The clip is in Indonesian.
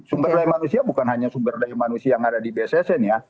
sumber daya manusia bukan hanya sumber daya manusia yang ada di bssn ya